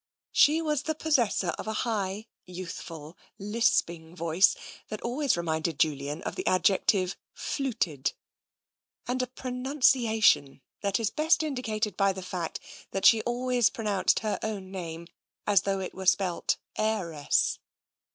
She was the possessor of a high, youthful, lisping voice that always reminded Julian of the adjective " fluted," and a pronunciation that is best indicated by the fact that she always pronounced her own name as though it were spelt "heiress."